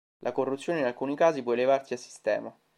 La corruzione, in alcuni casi, può elevarsi a sistema.